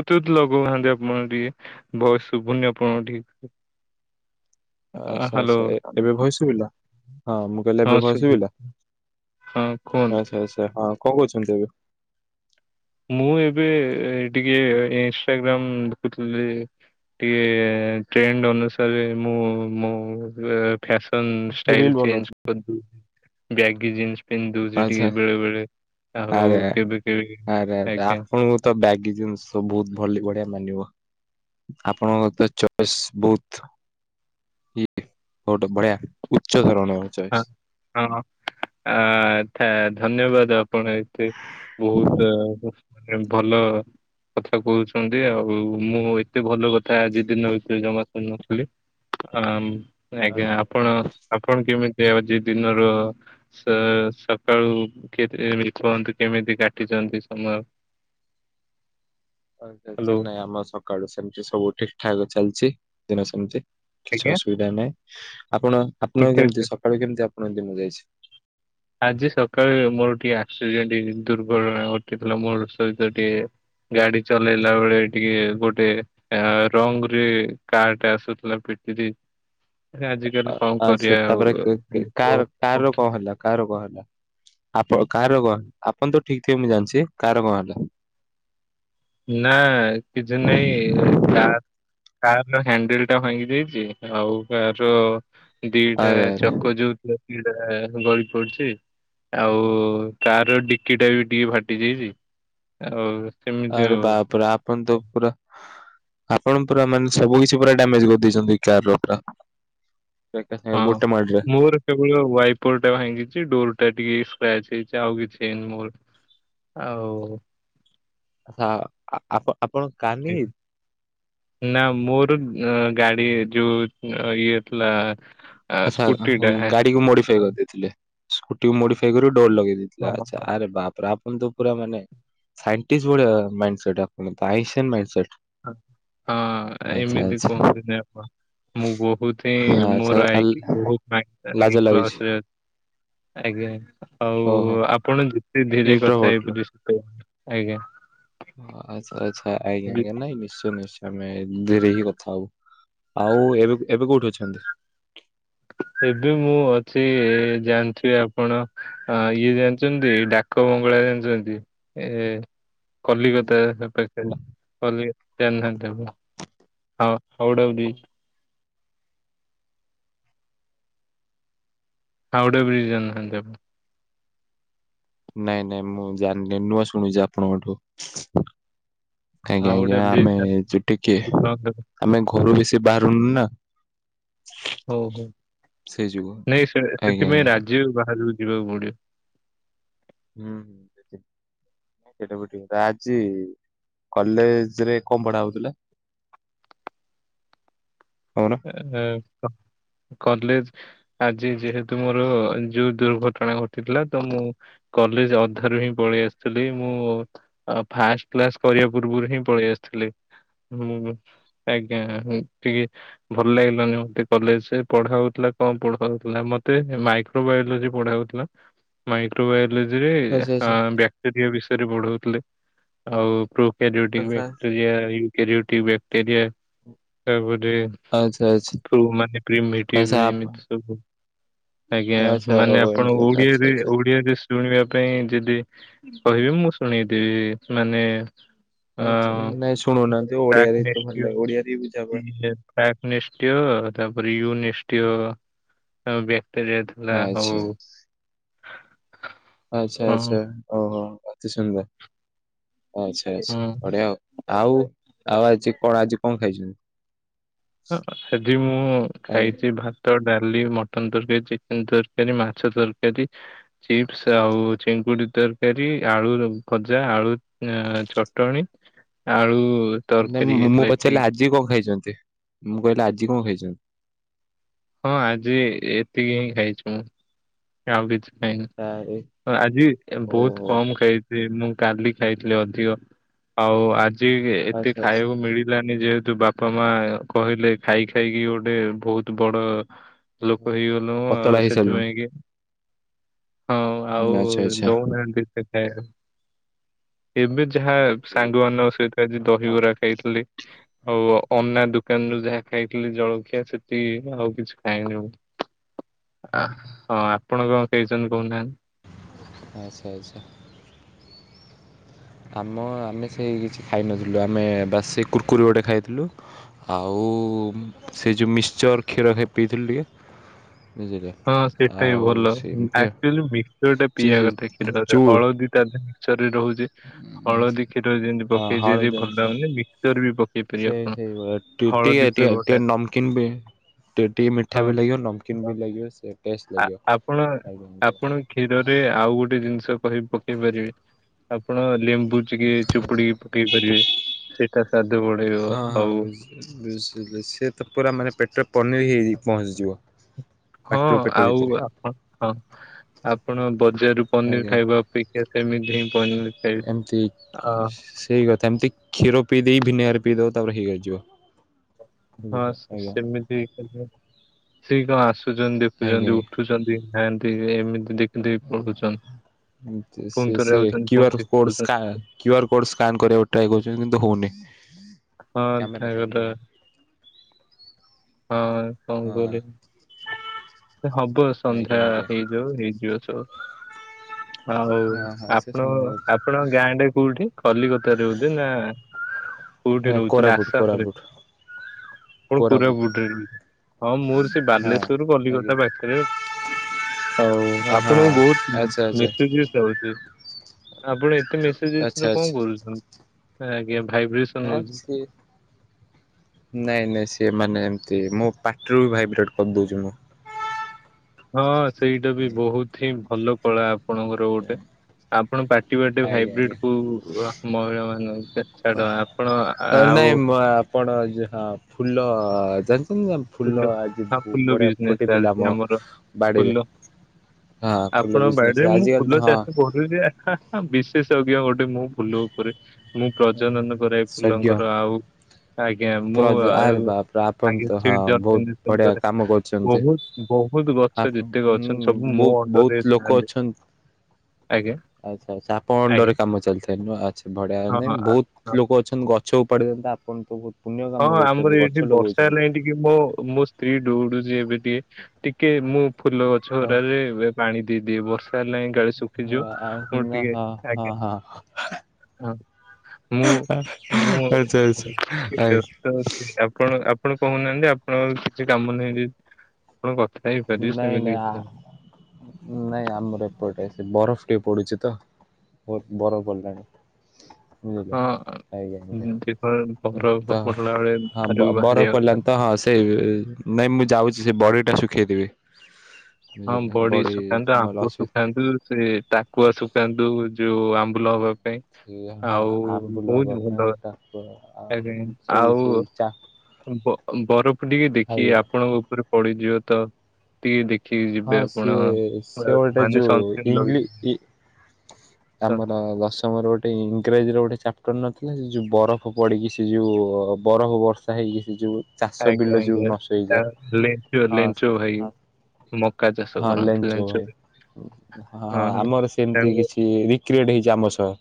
[unintelligible] ଲଗଉନାହାନ୍ତି ଆପଣ ଟିକେ ଭଏସ ସୁଭୁନି ଆପଣଙ୍କ ଠିକ୍। ଆଚ୍ଛା ଆଚ୍ଛା ଏ ଏବେ ଭୟସ ସୁବିଲା ହଁ ମୁଁ କହିଲି ହଁ ଏବେ ଭୟସ ଶୁଭୁ ସୁବିଲା। ହଁ କୁହନ୍ତୁ ଆଚ୍ଛା ଆଚ୍ଛା ହଁ କଣ କରୁଛନ୍ତି ଏବେ। ମୁଁ ଏବେ ଟିକେ ଇନଷ୍ଟାଗ୍ରାମ ଦେଖୁଥିଲି। ଟିକିଏ ଟ୍ରେଣ୍ଡ ଅନୁସାରେ ମୁଁ ମୋ ଫ୍ୟାସନ୍ ରିଲ ଷ୍ଟାଇଲ ଚେଞ୍ଜ ବନଉଥିଲି। କରି ଦେଇଚି ଜାଇକି ଜିମ୍ସି। ପିନ୍ଧଦଉଚି ଆଚ୍ଛା ଟିକେ ବେଳେ ବେଳେ ଆଉ ଆରେ ଆରେ କେବେ କେବେ। ଆରେ ଆଜ୍ଞା ଆପଣଙ୍କୁ ତ ବ୍ୟଗି ଜିନିଷ ବହୁତ ଭଲ ବଢିଆ ମାନିବ। ଆପଣଙ୍କ ତ ଚଏସ୍ ବହୁତ। ବଟ ବଢିଆ ଉଚ୍ଚ ଧରଣର। ହଁ ଚଏସ୍। ହଁ ଆ ଧନ୍ୟବାଦ ଆ ପଣ ଏତେ ବହୁତ ଭଲ କଥା କହୁଛନ୍ତି ଆଉ ମୁଁ ଏତେ ଭଲ କଥ ଥା ଆଜି ଦିନ ଭିତରେ ଜମା ଶୁଣିନଥିଲି। ଆମ୍ ଆଜ୍ଞା ଆଚ୍ଛା ଆପଣ କଣ କେମିତି ଆଜି ଦିନରୁ ସାର ସକାଳୁ କେ [unintelligible] କେମିତି କାଟିଛନ୍ତି ସମୟ। ହ୍ୟାଲୋ। ଟେନ୍ସନ୍ ନାଇଁ ଆମ ସକାଳୁ ସେମତି ସବୁ ଠିକ ଠାକ ଚାଲିଚି ଦିନ ସେମତି। କିଛି ଆଜ୍ଞା ଅସୁବିଧା ନାହିଁ ଆପଣ ଆପଣ ଠିକ୍ ଠାକ୍ କେମିତି ଅଛି। ସକାଳୁ କେମିତି ଆପଣଙ୍କ ଦିନ ଯାଇଛି। ଆଜି ସକାଳୁ ମୋର ଟିକେ ଆକ୍ସିଡ଼େଣ୍ଟ ଦୁର୍ଘଟଣା ଘଟିଥିଲା ମୋର ସହିତ ଟିକେ। ଗାଡି ଚଲେଇଲା ବେଳେ ଟିକେ ଗୋଟେ--' ଆ ରଙ୍ଗ ରେ କାର୍ ଟା ଆସୁଥିଲା ପିଟି ଦେଇଚି ଆଜି। ଆ ସେ ତାପରେ କାର୍ କାର ଲୋକ ର କଣ ହେଲା। କାହାର କଣ ହେଲା ଆପଣକାହାର କଣ ହେଲା ଆପଣ ତ ଠିକ ଥିବ ମୁଁ ଜାଣିଚି କାହାର କଣ ହେଲା। ନା କିଛି ନାଇଁ କାର କର୍ ର ହ୍ୟାଣ୍ଡେଲ ଟା ଭାଙ୍ଗି ଯାଇଚି ଆଉ କାର୍ ର ଦିଟା ଆରେ ଆରେ ଚକ ଯୋଉଥିଲା ଦିଟା ଗଳି ପଡିଚି। ଆଉ କର ର ଡିକି ଟା ବି ଟିକେ ଫାଟି ଯାଇଚି ଆଉ ସେମି ଆରେ ବାପରେ ଆପଣ ତ ପୁରା ଆପଣ ପୁରା ମାନେ ସବୁ କିଛି ପୁରା ଡ୍ୟାମେଜ କରିଦେଇଛନ୍ତି କାର୍ ର ପୁରା। ଏକା ହଁ ସାଙ୍ଗରେ ଗୋଟେ ମାଡରେ। ମୋର ୱାଇପର ଟା ଭାଙ୍ଗିଚି ଡୋର ଟା ଟିକେ ସ୍କ୍ରାଚ୍ ହେଇଚି ଆଉ କିଛି ହେଇନି ମୋର। ଆଉ ଆ-ଆ-ଆପଣ ଆପଣ କାର୍ ନେଇକି ନା ମୋର ଏ ଗାଡି ଯୋଉ ଇଏ ଥିଲା। ଆଚ୍ଛା ସ୍କୁଟି ଟା ହଁ। ଗାଡି କୁ ମଡିଫାଇ କରିଦେଇଥିଲେ। ସ୍କୁଟିକୁ ମଡିଫାଇ କରି ଡୋର ଲଗେଇ ଦେଇଥିଲେ। ଆଚ୍ଛା ଆରେ ବାପ୍ ଆପଣ ତ ପୁରା ମାନେ ସାଇନଟିଷ୍ଟ ଭଳିଆ ମାଇଣ୍ଡସେଟ୍ ଆପଣଙ୍କର। ଆପଣଙ୍କର ଆଇନଷ୍ଟାଇନ ମାଇଣ୍ଡସେଟ୍। ହଁ ଏମିତି କୁହନ୍ତୁନି ଆପଣ। ମୁଁ ବହୁତ ହିଁ ଆଚ୍ଛା ମୋର ଆ- [unintelligible] ଲାଜ ଲାଗୁଛି ଆଜ୍ଞା ଆଉ ଓହୋ ଆପଣ ଧୀରେ କଥା ଇଣ୍ଟ୍ରୋଭଟ ହେଇପାରିବେ [unintelligible] ଆଜ୍ଞା। ଆଚ୍ଛା-ଆଚ୍ଛା ବି- ଆଜ୍ଞା-ଆଜ୍ଞା ନାଇଁ ନିଶ୍ଚୟ-ନିଶ୍ଚୟ ଆମେ ଧିରେ ହିଁ କଥା ହବୁ। ଆଉ ଏବେ ଏବେ କୋଉଠି ଅଛନ୍ତି? ଏବେ ମୁଁ ଅଛି ଜାଣିଥିବେ ଆପଣ ହଁ ଇଏ ଜାଣିଛନ୍ତି ଡାକ ବଙ୍ଗଳା ଜାଣିଛନ୍ତି ଏ ହୁଁ। କଲିକତା ପଖେରେ। ନା କଲିକତା ଜାଣିନାହାନ୍ତି ଆପଣ ହ ହାଉଡ଼ା ବ୍ରିଜ୍। ହାଉଡା ବ୍ରିଜ୍ ଜାଣିନାହାନ୍ତି ଆପଣ? ନାଇଁ ନାଇଁ ମୁଁ ଜାଣିନି ନୂଆ ଶୁଣୁଛି ଆପଣଙ୍କଠୁ। ଆଜ୍ଞା ହାଉଡା ଆଜ୍ଞା ବ୍ରିଜ ଆମେ [unintelligible] ଟିକେ ଜାଣିନାହାନ୍ତି? ଆମେ ଘରୁ ବେଶି ବାହାରୁନୁ ନା। ହଉ ହଉ ସେଇ ଯୋଗୁ। ନାଇଁ ସେ ଆଜ୍ଞା ସେଥିପାଇଁ ଆଜ୍ଞା ରାଜ୍ୟ ବାହାରକୁ ଯିବାକୁ ପଡିବ। ହୁଁ। ସେଇଟାକୁ ଠିକ ଆଜି କଲେଜ ରେ କଣ ପଢା ହଉଥିଲା? ଆଉ ନା ଏଁ କଲେଜ ଆଜି ଯେହେତୁ ମୋର ଯୋଉ ଦୁର୍ଘଟଣା ଘଟିଥିଲା ତ ମୁଁ କଲେଜ ଅଧାରୁ ହିଁ ପଳେଇ ଆସିଥିଲି। ମୁଁ ଆଉ ଫାଷ୍ଟ କ୍ଲାସ କରିବା ପୂର୍ବରୁ ହିଁ ପଳେଇ ଆସିଥିଲି। ହୁଁ। ଆଜ୍ଞା। ଟିକେ ଭଲ ଲାଗିଲାନି ମୋତେ କଲେଜରେ। ପଢ଼ା ହେଉଥିଲା କଣ ପଢ଼ା ହେଉଥିଲା? ମୋତେ ମାଇକ୍ରୋବାୟୋଲୋଜି ପଢ଼ା ହେଉଥିଲା। ମାଇକ୍ରୋବାୟୋଲୋଜି ରେ ଆଚ୍ଛା ଆଁ ଆଚ୍ଛା ବ୍ୟାକ୍ଟେରିଆ ବିଷୟରେ ବଢଉଥିଲେ। ଆଉପୃ ଆଚ୍ଛା [unintelligible] ବ୍ୟାକ୍ଟେରିଆ ତାପରେ ଆଚ୍ଛ ଆଚ୍ଛା। [unintelligible] ଏମିତି ଆଚ୍ଛା ଆପ ସବୁ। ଆଜ୍ଞା। ଆଚ୍ଛା ହଉ ମାନେ ଆପଣ ଏମିତି କଥା ଆଚ୍ଛା ଓଡିଆରେ ଆଚ୍ଛା ଓଡିଆରେ ଶୁଣିବା ପାଇଁ ଯଦି କହିବେ ମୁଁ ଶୁଣେଇଦେବି। ମାନେ ଅ ଆଚ୍ଛା। ନାଇଁ ଶୁଣୁନାହାନ୍ତି ଓଡିଆରେ ତ ଭଲ ଲାଗବ। ଓଡିଆରେ ବୁଝା ପଡ ପ୍ରକ ନିଷ୍ଟିୟ ତାପରେ ୟୁ ନିଷ୍ଟିୟ ଆଉ ବ୍ୟାକ୍ଟରିଆ ଥାଏ। ଆଚ୍ଛା। ଆଚ୍ଛା, ହଁ ଆଚ୍ଛା। ଓହୋ! ଅତି ସୁନ୍ଦର। ଆଚ୍ଛା, ହଁ। ଆଚ୍ଛା। ବଢିଆ ଆଉ ଆଉ ଆଜି କଣ ଆଜି କଣ ଖାଇଛ? ହଁ। ଆଜି ମୁଁ ଆଜ୍ଞା ଖାଇଛି ଭାତ୍ ତ ଡାଲି, ମଟନ ତରକାରୀ, ଚିକେନ ତରକାରୀ, ମାଛ ତରକାରୀ। ଚିପ୍ସ ଆଉ ଚିଙ୍କୁଡି ତରକାରୀ ଆଳୁ ର ଭଜା ଆଳୁ ଅ ଚଟଣିୀ ଆଳୁ ତରକାରୀ ନାଇଁ ମୁଁ ହେଇଥିଲା ପଚାରିଲି ଏତିକି ଆଜି କଣ ଖାଇଛନ୍ତି? ମୁଁ କହିଲି ଆଜି କଣ ଖାଇଛନ୍ତି? ହଁ। ଆଜି ଏତିକି ହିଁ ଖାଇଛି ମୁଁ। ଆଉ କିଛି ଖାଇନି। ଆରେ ଆଜି ବହୁତ ଓହୋ କମ ଖାଇ ସେ ମୁଁ କାଲି ଖାଇଥିଲି ଅଧିକ। ଆଉ ଆଜି ଏତେ ଆଚ୍ଛା ଆଚ୍ଛା। ଖାଇବାକୁ ମିଳି ପାନ ଯେହେତୁ ବାପା ମା କହିଲେ ଖାଇ ଖାଇକି ଗୋଟେ ବହୁତ ବଡ ଲୋକ ହେଇଗଲୁ। ପତଳା ଆଉ ହେଇସାରିଲୁଣି ସେଥିପାଇଁ କି ହଁ ହୁଁ ଆଚ୍ଛା ଆଉ ଆଚ୍ଛା। ଦଉନାହାନ୍ତି ସେ ଖଏ ଏବେ ଯାହା ସାଙ୍ଗମାନଙ୍କ ସହିତ ଆଜି ଦହିବରା ଖାଇଥିଲି। ଆଉ ଅନା ଦୋକାନ ଯୋ ଯାହା ଖାଇଥିଲି ଜଳଖିଆ ସେଠି ଆଉ କିଛି ଖାଇନି ଆଉ। ଅ ହଁ ଆପଣ କଣ ଖାଇଛନ୍ତି [unintelligible] ଆଚ୍ଛା ଆଚ୍ଛା। ଆମ ଆମେ ସେଇ କିଛି ଖାଇନଥିଲୁ, ଆମେ ବାସ ସେ କୁର୍କୁରି ଗୋଟେ ଖାଇଥିଲୁ। ଆଉ ସେ ଯୋଉ ମିକ୍ଚର କ୍ଷୀର ପିଇଥିଲି ଟିକେ। ବୁଝିଲେ। ହଁ ସେଇଟା ବି ଆଉ ଭଲ, ସେମିତି ଆଉ ଆକ୍ଚୁଆଲି ମିକସର ଟା ଚି ପିଇବା କଥା କ୍ଷୀରରେ ଚୁ ହଳଦୀ ତା ରେ ରହୁଚି ହଳଦୀ ହଁ କ୍ଷୀର ଯେମିତି ପକେଇଚି ଯ ଭଲ ଲାଗୁନି ମିକସର ବି ପକ୍ ସେଇ ସେଇ ଟିକେ ଟେ ଟା ଟିକେ ନମକିନ୍ ବି ଟ ଟିକେ ମିଠା ହଁ ବି ଲାଗିବ, ନମ୍କନ୍ ହଁ ବି ଲାଗିବ ସେ ଟେଷ୍ଟ ଲାଗିବ। ଆପଣ ଆପଣ କ୍ଷୀରରେ ଆଉ ଗୋଟେ ଜିନିଷ କହି ପକେଇ ପାରିବେ। ଆପଣ ଲେମ୍ବୁ ଟିକେ ଚୁପୁଡି ପକେଇ ପାରିବେ, ସେଇଟା ସ୍ଵାଦ ବଢେଇବ ଆଉ ବୁଝ ସେ ତ ପୁରା ମାନେ ପେଟ ପନିର ହେଇକି ପହଞ୍ଚିଯିବ। ହଁ ପାଟିରୁ ପେଟ ଆଉ ଭିତରେ ଆ ହଁ ଆପଣ ବଜାରରୁ ପନିର ଆଜ୍ଞା ଖାଇବା ଅପେକ୍ଷା ସେମିତି ହିଁ ପନିର୍ ଏମତି, ସେଇ କଥା ଏମିତି କ୍ଷୀର ପିଇ ଦେଇ ଭିନେଗାର ପିଇଦେବ ତାପରେ ହେଇଯିବ। ହଁ ଆଜ୍ଞା ଆଜ୍ଞା ସେମିତି ହେଇ, ସେ କଣ ଆସୁଛନ୍ତି ଆଜ୍ଞା ଦେଖୁଛନ୍ତି ଉଠୁ ଦେଖୁଛନ୍ତି, ଖାଆନ୍ତି ଏମିତି ଦେଖ ଦେଇ ପଢୁଛନ୍ ସେ ପୁଣି ଥରେ ସେ ଯଉଛନ୍ କ୍ୟୁ ପୁଣି ଆର୍ ଥରେ କୋଡ୍ ସ୍କା ପଢ଼ୁଛନ କ୍ୟୁ ଆର କୋଡ୍ ସ୍କାନ କରିବାକୁ ଟ୍ରାଏ କରଚନ୍ତି କିନ୍ତୁ ହୋଉନି। [unintelligible] ହଁ କଣ ହଁ। କରିବି ହବ ଆଜ୍ଞା ସନ୍ଧ୍ୟା ଆଜ୍ଞା। ହେଇ ଯୋ ହେଇଯିବ ସବୁ ହୋଉ ହଁ ହଁ ସେ ଆପଣ ସନ୍ଦେହ ଅଛି। ଆପଣ ଗାଁଟା କୋଉଠି କଲିକତାରେ ବୋଧେ ନା? କୋଉଠି ନାଁ ରହୁଚନ୍ତି କୋରାପୁଟ ଆସାମ ରେ, କୋରାପୁଟ କଣ କୋରାପୁଟ। କରିବାକୁ ହଁ ମୋର ସେ ହଁ ବାଲେଶ୍ଵର ଆଜ୍ଞା। କଲିକତା ପାଖରେ। ହୋଉ ହଁ ଆପଣଙ୍କୁ ବୋହୁତ ଆଚ୍ଛା ଆଚ୍ଛା ମିିକ ଆପଣ ଏତେ ଆଚ୍ଛା ମସେଜେସ କଣ ଆଚ୍ଛା କରୁଛନ୍ତି ଆଜ୍ଞା ଭାଇ ବ୍ରେସନ୍ ଆ ସେ ନାଇଁ ନାଇଁ ସେମାନେ ଏମତି ମୋ ପାଟିରୁ ବି ଭାଇବ୍ରେଟ୍ କରିଦୋଉଚି ମୁଁ। ହଁ ସେଇଟା ବି ବହୁତ ହିଁ ଭଲ କଳା ଆପଣଙ୍କର ଗୋଟେ ଆପଣ ପାଟି ବାଟେ ଆଜ୍ଞା ଆଜ୍ଞା ଆଜ୍ଞା। ହାଇବ୍ରିଡ କୁ [unintelligible] ଛାଡ଼ ଆପଣ ନାଇଁ ଆଉ ଆପଣ ଯାହା ଫୁଲ ଜାଣିଚନ୍ତି? ଫୁଲ ଆଜି ହଁ ଫୁଲ ବଢ଼ିଆ ବିଜନେସ ଫୁଟିଥିଲା ଚାଲିଛି ଆମ ଆମର ବାଡ଼ିରେ। ଫୁଲ ହଁ ଫୁଲ ଆପଣ ବିଜନେସ ବାଡିରେ ମୁଁ ଆଜିିକାଲି ଫୁଲ ତ ହଁ। ଚାଷ ବିଶେଷଜ୍ଞ ଗୋଟେ ମୁଁ ଫୁଲ ଉପରେ। ମୁଁ ପ୍ରଜନନ କରାଏ ସଜ୍ଞ। ଫୁଲଙ୍କର ଆଉ ଆଜ୍ଞା ମୁଁ ଆରେ ଆଉ ବାପରେ ଆପଣ ତ ଆଜ୍ଞା। ହଁ ବହୁତ ବ ବଢ଼ିଆ କାମ କରୁଛନ୍ତି। ବୋହୁତ ଗଛ ଯେତେ ଗଛ ସବୁ ମୋ ଅଣ୍ଡରରେ ଥାନ୍ତି କଛନ ଆଜ୍ଞା। ଆଚ୍ଛା, ଆଚ୍ଛା ଆପଣଙ୍କ ଆଜ୍ଞା ଅଣ୍ଡରରେକାମ ଚାଲିଥାଏ ଆଚ୍ଛା ଆଚ୍ଛା ବଢ଼ିଆ ଆ ହଁ ନାଇଁ ହଁ ବୋହୁତ ହଁ ଲୋକ ଅଛନ୍ତି ଗଛକୁ ଉପାଡିଥାନ୍ତା ଆପଣ ତ ବୋହୁତ ପୁଣ୍ୟ ହଁ କାମ ଆମର କରୁଚନ୍ତି ଏଇଠି ଗଛ ବର୍ଷା ଲଗଉଚନ୍ତି। ହେଲାଣି ଟିକେ ମୋ ମୋ ସ୍ତ୍ରୀ ଦୌଡୁଚି ଏବେ ଟିକେ ଟିକେ ମୁଁ ଫୁଲ ଗ ଆଉ ଚଉରା ରେ ଏବେ ପାଣି ଦେଇଦିଏ ବର୍ଷା ହେଲାଣି କାଳେ ଶୁଖିଯିବ ମୁଁ ଟିକେ, ଆଜ୍ଞା। ଓହୋ। ହଁ ମୁଁ ମୁଁ ଆଚ୍ଛା ଆଚ୍ଛା ଆଜ୍ଞା। ତ ଆପଣ ଆପଣ କହୁନାହାନ୍ତି ଆପଣଙ୍କ କିଛି କାମ ନାହିଁ ଯଦି ହଁ କଥା ହେଇପାରିବି ନାଇଁ ସେମିତି ନାଇଁ ଆ କିଛି ନାହିଁ। ନାଇଁ ଆମର ଏପଟେ ସେ ବରଫ ଟିକେ ପଡୁଛି ତ ବହୁତ ବରଫ ପଡ଼ିଲାଣି। ବୁଝିଲେ ହଁ ଆଜ୍ଞା, ଆଜ୍ଞା ବରଫ ତ ପଡିଲା ବେଳେ ହଁ ବାହାରକୁ ବରଫ ବାହାରିବା କଥା ପଡ଼ିଲାଣି ନୁହଁ। ତ ହଁ। ସେ ନାଇଁ ମୁଁ ଯାଉଛି ସେ ବଡ଼ି ଟା ଶୁଖେଇଦେବି। ହଁ ବୁଝିଲେ ବଡି ଶୁଖାନ୍ତୁ, ନହେଲେ ଆମ୍ବ ଅସୁ ଶୁଖାନ୍ତୁ। ସରି ଟାକୁଆ ଶୁଖନ୍ତୁ ଯୋଉ ଆମ୍ବୁଲ ହବ କାଇଁ ସେ ହଁ ଆଉ ଆମ୍ବୁଲ ହବା ବହୁତ ପାଇଁ ଭଲ ତାକୁ ଆଉ ଆଜ୍ଞା ସେଇ ସେଇ ଆଉ। ଚାଟ ବ-ବରଫ ଟିକେ ଦେଖି ଖାଇବା ଆପଣଙ୍କ ଉପରେ ପଡ଼ିଯିବ ତ ଟିକେ ଦେ ହଁ ସିଏ ସେ ଗୋଟେ ମାନେ ଯୋଉ ସନସ୍କ୍ରିନ୍ ଲଗେଇକି ଇଂଲି-ଇ ସନ୍ ଆମର ଦଶମର ଗୋ ଟେ ଇଂରାଜୀର ଗୋଟେ ଚାପ୍ଟର ନଥିଲା ସେ ଯେଉ ବରଫ ପଡ଼ିକି ସେ ଯେଉ ବରଫ ବର୍ଷା ହେଇକି ସେ ଯେଉ ଚାଷ ଆଜ୍ଞା ବିଲ ଯୋଉ ଆଜ୍ଞା। ନଷ୍ଟ ତା ହେଇଯାଏ ଲେଞ୍ଚୁ ହଁ ଲେଞ୍ଚୁ ସେ ଭାଇ ହଁ। ମକା ଚାଷ ହଁ କରନ୍ତି ଲେଞ୍ଚ ଲେଞ୍ଚୁ ଭାଇ ହଁ ହଁ ଆମର ସେମିତି ତାଙ୍କୁ କିଛି। କି ରିକ୍ରିଏଟ୍ ହେଇଛି ଆମ ସହ।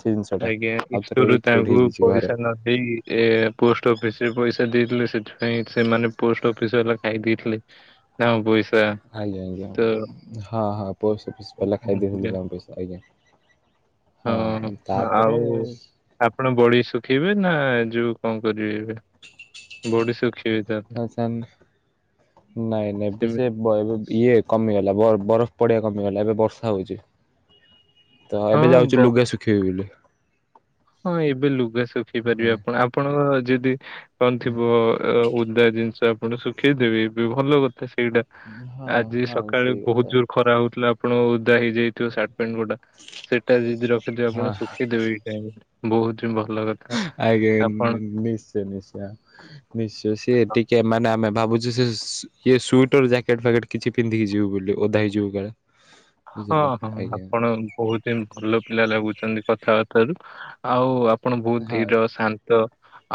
ସେ ଜିନିଷଟା ଆଜ୍ଞା ଆଜ୍ଞା ଆଉ ଥରେ ଷ୍ଟୋରୀରୁ ତା ରିକ୍ରିଏଟ ଆଗରୁ ହେଇଯାଇଛି ଘରେ ପଇସା ନ ସେଇ ଏ ପୋଷ୍ଟ ଅଫିସ ରେ ପଇସା ଦେଇଥିଲେ ସେଥିପାଇଁ ସେମାନେ ପୋଷ୍ଟ ଅଫିସ ବାଲା ଖାଇ ଦେଇେଥିଲେ। ତାଙ୍କ ପଇସା। ଆଜ୍ଞା ଆଜ୍ଞା ହଁ ହଁ ପୋଷ୍ଟ ଅଫିସ ବାଲା ଖାଇଦେଇଥିଲେ ତ ତାଙ୍କ ପଇସା ଆଜ୍ଞା। ହଁ। ତାପରେ ଆଉ ଆପଣ ବଡ଼ି ଶୁଖେଇବେ ନା ଯୋଉ କଣ କରିବେ ଏବେ? ବଡ଼ି ସୁଖେଇବେ ତା ଆସନ୍ ନାଇଁ ନାଇଁ ଏବେ ସେମିତି ସିଏ ବ ଇଏ କମିଗଲା ବରଫ-ବରଫ ପଡିବା କମିଗଲା ଏବେ ବର୍ଷା ହଉଛି। ତ ଏବେ ହଁ ଯାଉଚି ବ ଲୁଗା ଶୁଖେଇିବି ବୋଲି। ହଁ ଏବେ ଲୁଗା ଶୁଖେଇ ପାରିବେ ହଁ। ଆପଣ ଆପଣଙ୍କର ଯଦି କଣ ଥିବ ଅଁ ଓଦା ଜିନିଷ ଆପଣ ଶୁଖେଇଦେବେ ବି ଭଲ କଥା ସେଇଟା ହଁ ଆଜି ହଁ ସକାଳେ ସେଇ ବହୁତ କଥା। ଜୋର ଖରା ହଉଥିଲା ଆପଣ ଓଦା ହେଇଯାଇ ଥିବ ସାର୍ଟ ପ୍ୟାଣ୍ଟ ଗୋଟା ସେଟା ଯଦି ରଖିଥିବେ ଆପଣ ହଁ ଶୁଖେଇଦେବେ ଏଇ ଟାଇମ୍ ରେ ବହୁତ ହିଁ ଭଲ କଥା। ଆଜ୍ଞା ଆପଣ ନି-ନିଶ୍ଚୟ ନିଶ୍ଚୟ। ନିଶ୍ଚୟ ସିଏ ଟିକେ ମାନେ ଆମେ ଭାବୁଛୁ ସିଏ ଇଏ ସୁଇଟର ଜ୍ୟାକେଟ ଫ୍ୟାକେଟ କିଛି ପିନ୍ଧିକି ଯିବୁ ବୋଲି ଓଦା ହେଇଯିବୁ କାଳେ ହଁ ବୁଝିଲେ ହଁ ଆଜ୍ଞା। ଆପଣ ବହୁତ ହିଁ ଭଲ ପିଲା ଲାଗୁଛନ୍ତି କଥାବାର୍ତ୍ତ ରୁ ଆଉ ଆପଣ ବହୁତ ହଁ ଧୀର ଶାନ୍ତ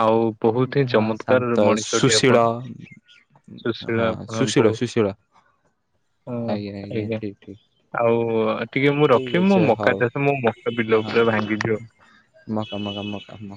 ଆଉ ବହୁତ ହିଁ ହଁ ଚମତ୍କାର ଶାନ୍ତ ମଣିଷଟି ଆପଣ। ସୁଶୀଳ ଉ ସୁଶୀଳ ହଁ ଆପଣ ସୁଶୀଳ ବହୁତ ସୁଶୀଳ ଆଜ୍ଞା ଆଜ୍ଞା ଠିକ୍ ଠିକ୍। ଆଉ ଟିକେ ମୁଁ ରଖିମି ମୋ ମକା ଚାଷ ମୋ ମକା ବିଲ ଉପରେ ଭାଙ୍ଗି ଯିବ। ମକା ମକା ମକା କାମ।